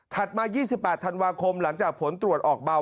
มา๒๘ธันวาคมหลังจากผลตรวจออกเบา